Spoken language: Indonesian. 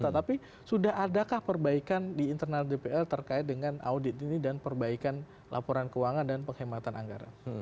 tetapi sudah adakah perbaikan di internal dpr terkait dengan audit ini dan perbaikan laporan keuangan dan penghematan anggaran